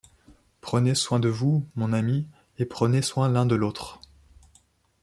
Prenez soin de vous, mon ami et prenez soin l’un de l’autre.